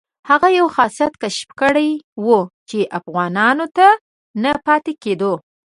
هغه یو خاصیت کشف کړی وو چې افغانانو ته نه پاتې کېدو.